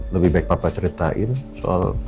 lebih baik papa ceritain soal